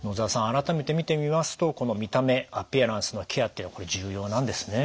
改めて見てみますとこの見た目アピアランスのケアっていうのこれ重要なんですね。